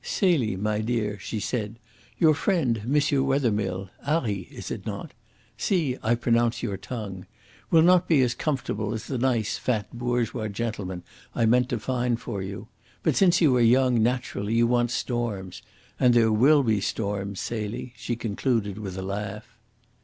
"Celie, my dear," she said, "your friend, M. Wethermill 'Arry, is it not? See, I pronounce your tongue will not be as comfortable as the nice, fat, bourgeois gentleman I meant to find for you. But, since you are young, naturally you want storms. And there will be storms, Celie," she concluded, with a laugh.